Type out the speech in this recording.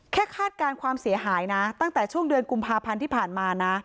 คาดการณ์ความเสียหายนะตั้งแต่ช่วงเดือนกุมภาพันธ์ที่ผ่านมานะ